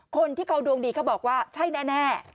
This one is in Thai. คนที่เขาดวงดีเขาบอกว่าใช่แน่